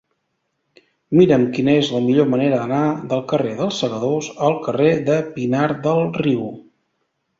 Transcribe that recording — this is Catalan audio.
Mira'm quina és la millor manera d'anar del carrer dels Segadors al carrer de Pinar del Río.